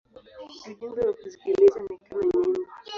Ujumbe wa kusikiliza ni kama nyimbo.